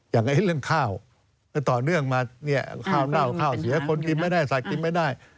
อย่างเรื่องข้าวต่อเนื่องมาเนี่ยข้าวเน่าข้าวเสียคนกินไม่ได้ใส่กินไม่ได้